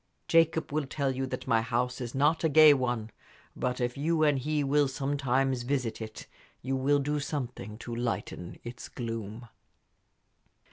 Jacob will tell you that my house is not a gay one; but if you and he will sometimes visit it, you will do something to lighten its gloom."